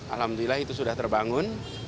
alhamdulillah itu sudah terbangun